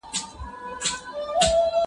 زه پرون اوبه پاکوم؟!